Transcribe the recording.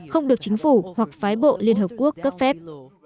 không được chính phủ hoặc phái bộ liên hợp quốc cấp phép